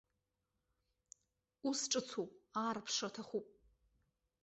Ус ҿыцуп, аарԥшра аҭахуп.